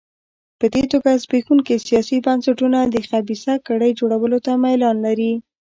په دې توګه زبېښونکي سیاسي بنسټونه د خبیثه کړۍ جوړولو ته میلان لري.